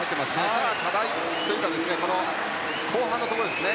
さあ、課題というか後半のところですね。